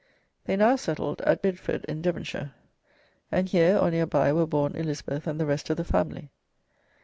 They now settled at Bideford in Devonshire, and here or near by were born Elizabeth and the rest of the family.